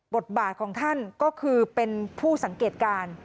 บทบาทของท่านก็คือเป็นผู้สังเกตการ